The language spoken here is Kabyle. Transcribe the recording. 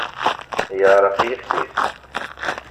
Yeɛreq yixf-is.